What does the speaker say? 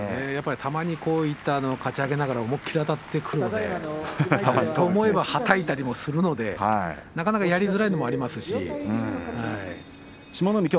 たまにこういうかち上げながら思い切ってくるのでと、思えば、はたいたりもするのでなかなかやりづらいのもありますし。